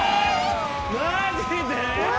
マジで？